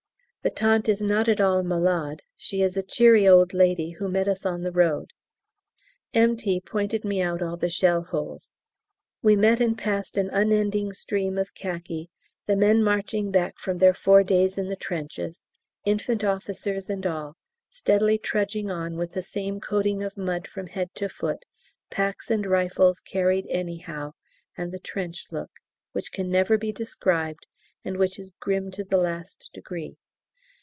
The tante is not at all malade she is a cheery old lady who met us on the road. M.T. pointed me out all the shell holes. We met and passed an unending stream of khaki, the men marching back from their four days in the trenches, infant officers and all steadily trudging on with the same coating of mud from head to foot, packs and rifles carried anyhow, and the Trench Look, which can never be described, and which is grim to the last degree.